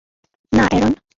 না, অ্যারন।